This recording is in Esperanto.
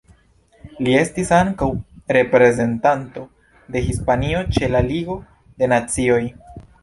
Li estis ankaŭ reprezentanto de Hispanio ĉe la Ligo de Nacioj.